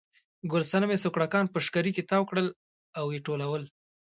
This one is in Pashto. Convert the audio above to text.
ګل صنمې سوکړکان په شکري کې تاو کړل او یې ټولول.